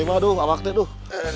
aduh apa ini tuh